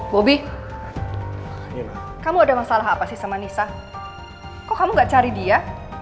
bobby kamu ada masalah apa sih sama nisa kok kamu gak cari dia